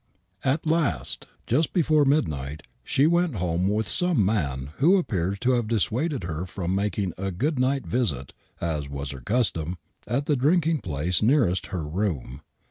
At last, just before midnight,, she went home with some man who appears to have dissuaded her from making a good night visit, as was her custom, at the drinking place nearest her room.